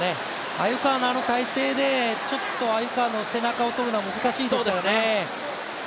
鮎川のあの体勢で、鮎川の背中をとるのは難しいですね。